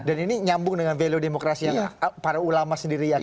dan ini nyambung dengan value demokrasi yang para ulama sendiri yakin